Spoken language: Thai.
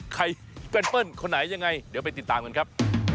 ใครเปิ้ลคนไหนยังไงเดี๋ยวไปติดตามกันครับ